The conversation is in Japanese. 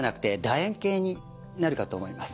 円形になるかと思います。